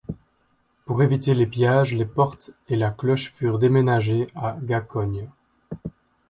Pour éviter les pillages, les portes et la cloche furent déménagées à Gâcogne.